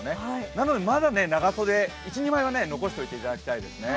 なのでまだ長袖１２枚は残しておいていただきたいですね。